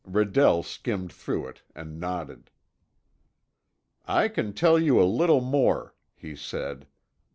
Redell skimmed through it and nodded. "I can tell you a little more," he said.